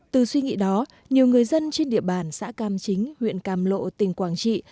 từ suy nghĩ đó nhiều người dân trên địa bàn xã cam chính huyện càm lộ tỉnh quảng trị